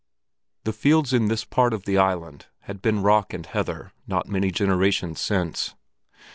The fields in this part of the island had been rock and heather not many generations since.